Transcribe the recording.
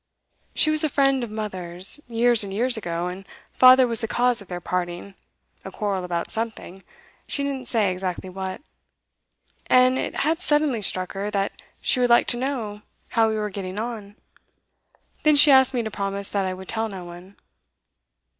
She was a friend of mother's, years and years ago, and father was the cause of their parting, a quarrel about something, she didn't say exactly what. And it had suddenly struck her that she would like to know how we were getting on. Then she asked me to promise that I would tell no one.